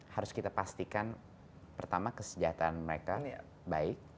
harus kita pastikan pertama kesejahteraan mereka baik